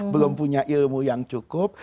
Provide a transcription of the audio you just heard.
belum punya ilmu yang cukup